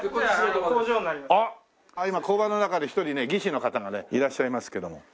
今工場の中で１人ね技師の方がねいらっしゃいますけども。